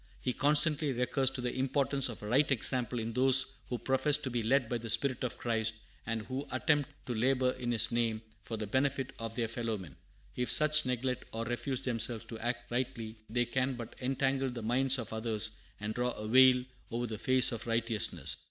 He constantly recurs to the importance of a right example in those who profess to be led by the spirit of Christ, and who attempt to labor in His name for the benefit of their fellow men. If such neglect or refuse themselves to act rightly, they can but "entangle the minds of others and draw a veil over the face of righteousness."